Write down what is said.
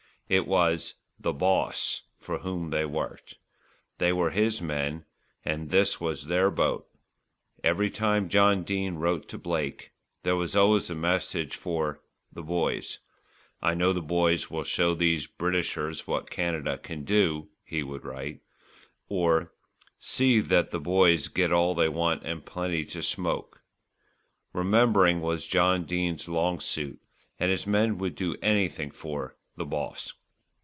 It was "the Boss" for whom they worked. They were his men, and this was their boat. Every time John Dene wrote to Blake, there was always a message for "the boys." "I know the boys will show these Britishers what Canada can do," he would write, or, "see that the boys get all they want and plenty to smoke." Remembering was John Dene's long suit; and his men would do anything for "the Boss."